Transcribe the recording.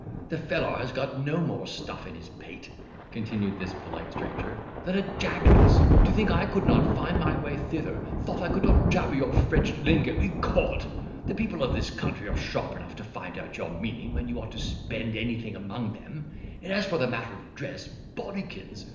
"The fellor has got no more stuff in his pate," continued this polite stranger, "than a jackass, to think I could not find my way hither thof I could not jabber your French lingo. Ecod! the people of this country are sharp enough to find out your meaning, when you want to spend anything among them; and, as for the matter of dress, bodikins!